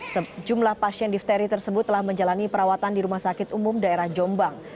sejumlah pasien difteri tersebut telah menjalani perawatan di rumah sakit umum daerah jombang